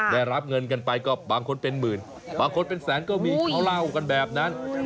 ได้รับเงินกันไปก็บางคนเป็นหมื่นบางคนเป็นแสนก็มีเขาเล่ากันแบบนั้น